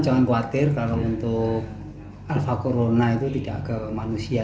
jangan khawatir kalau untuk alfa corona itu tidak ke manusia